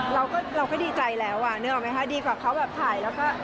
เราก็เราก็ดีใจแล้วอ่ะนึกออกไหมคะดีกว่าเขาแบบถ่ายแล้วก็